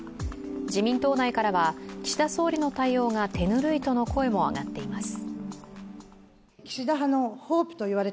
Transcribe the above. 自民党内からは、岸田総理の対応が手ぬるいとの声も上がっています。